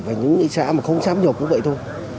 và những xã mà không sắp nhập cũng vậy thôi